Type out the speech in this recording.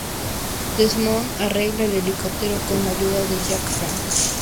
Desmond arregla el helicóptero con la ayuda de Jack y Frank.